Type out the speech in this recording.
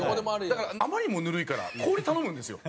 だからあまりにもぬるいから氷頼むんですよ。